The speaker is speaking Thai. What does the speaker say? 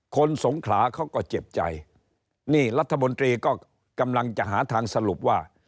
สงขลาเขาก็เจ็บใจนี่รัฐมนตรีก็กำลังจะหาทางสรุปว่า